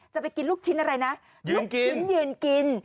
จะไปกินลูกชิ้นอะไรนะยืนกินยืนกิน